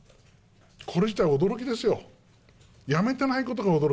これ自体驚きですよ。